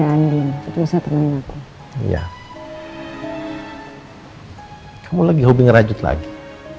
kamu kesini mah betulnya udah dekat dekat aja kamu lagi hobi ngerajut lagi